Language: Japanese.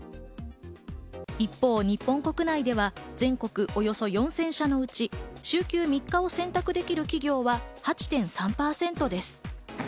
一方、日本国内では全国およそ４０００社のうち、週休３日を選択できる企業は８．３％です。